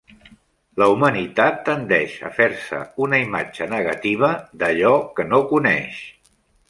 La humanitat tendeix a fer-se una imatge negativa d'allò que no coneix.